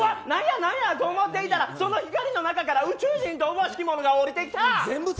なんやなんやと思っていたらその光の中から宇宙人と思しき者が降りてきた。